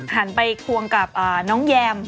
หันไปควงกับน้องแยม